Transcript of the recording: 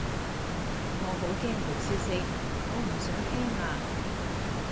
我好驚好消息，我唔想聽啊